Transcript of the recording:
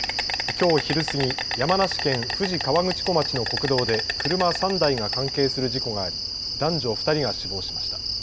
きょう昼過ぎ、山梨県富士河口湖町の国道で車３台が関係する事故があり男女２人が死亡しました。